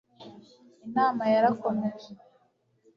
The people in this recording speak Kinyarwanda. inama yarakomeje